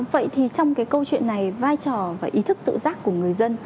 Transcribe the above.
vậy thì trong cái câu chuyện này vai trò và ý thức tự giác của người dân